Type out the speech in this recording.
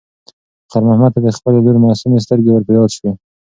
خیر محمد ته د خپلې لور معصومې سترګې ور په یاد شوې.